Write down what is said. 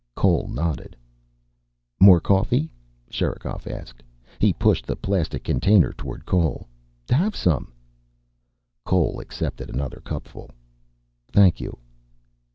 Cole nodded. "More coffee?" Sherikov asked. He pushed the plastic container toward Cole. "Have some." Cole accepted another cupful. "Thank you."